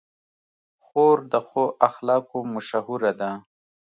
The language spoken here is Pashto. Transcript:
خور د ښو اخلاقو مشهوره ده.